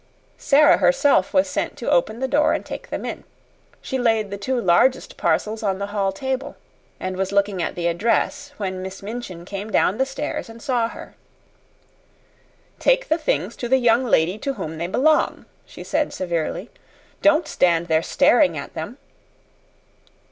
Sara herself was sent to open the door and take them in. She laid the two largest parcels on the hall table, and was looking at the address, when Miss Minchin came down the stairs and saw her. "Take the things to the young lady to whom they belong," she said severely. "Don't stand there staring at them.